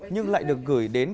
nhưng lại được gửi đến